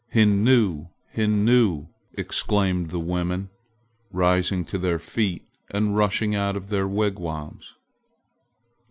"Hinnu! Hinnu!" exclaimed the women, rising to their feet and rushing out of their wigwams.